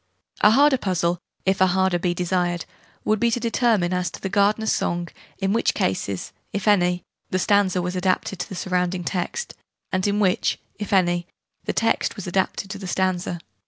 A harder puzzle if a harder be desired would be to determine, as to the Gardener's Song, in which cases (if any) the stanza was adapted to the surrounding text, and in which (if any) the text was adapted to the stanza.